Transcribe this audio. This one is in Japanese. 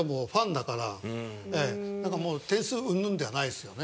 だからもう点数うんぬんではないですよね。